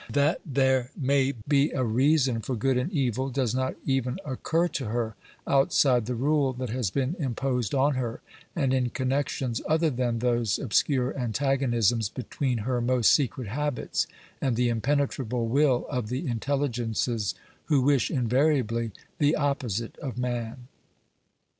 That there may be a reason for good and evil does not even occur to her, outside the rule that has been imposed on her, and in connections other than those obscure antagonisms between her most secret habits and the impenetrable will of the in telligences who wish invariably the opposite of man.